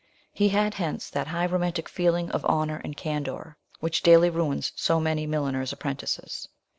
He had, hence, that high romantic feeling of honour and candour, which daily ruins so many milliners' apprentices.